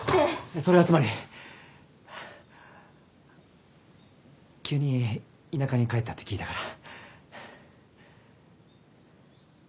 それはつまり急に田舎に帰ったって聞いたから。